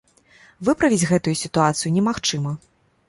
Выправіць гэтую сітуацыю немагчыма.